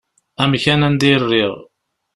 Amkan anda i rriɣ.